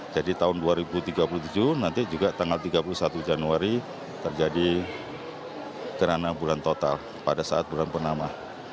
jadi tahun dua ribu tiga puluh tujuh nanti juga tanggal tiga puluh satu januari terjadi gerhana bulan total pada saat bulan pertama